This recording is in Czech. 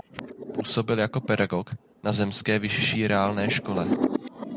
Působil jako pedagog na zemské vyšší reálné škole.